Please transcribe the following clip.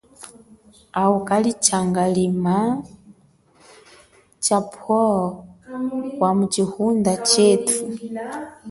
Awu kali changalima cha phowo wamu chihunda chethu.